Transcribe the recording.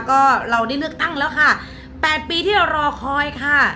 ก็เราได้เลือกตั้งแล้วค่ะ๘ปีที่เรารอคอยค่ะ